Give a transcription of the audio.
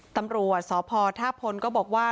ตำรวจสภทศพลเตอร์ก็บอกว่า